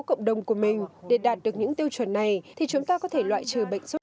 cộng đồng của mình để đạt được những tiêu chuẩn này thì chúng ta có thể loại trừ bệnh sốt sốt huyết